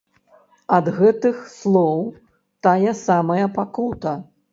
Ад гэтых слоў тая самая пакута.